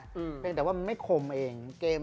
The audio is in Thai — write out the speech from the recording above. เพราะแต่ว่ามันไม่คมเอง